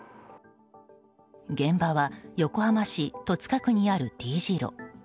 現場は横浜市戸塚区にあるＴ字路。